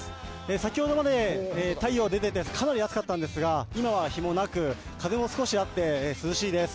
先ほどまで、太陽が出ていてかなり暑かったんですが今は日もなく風も少しあって涼しいです。